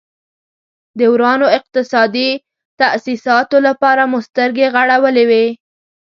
د ورانو اقتصادي تاسیساتو لپاره مو سترګې غړولې وې.